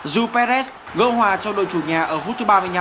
dù perez gỡ hòa cho đội chủ nhà ở phút thứ ba mươi năm